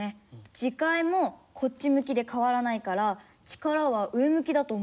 磁界もこっち向きで変わらないから力は上向きだと思うんです。